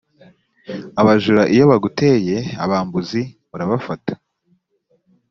abajura iyo baguteye abambuzi urabafata